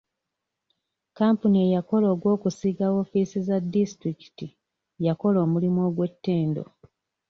Kampuni eyakola ogw'okusiiga woofiisi za disitulikiti yakola omulimu ogw'ettendo.